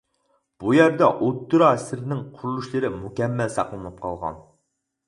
بۇ يەردە ئوتتۇرا ئەسىرنىڭ قۇرۇلۇشلىرى مۇكەممەل ساقلىنىپ قالغان.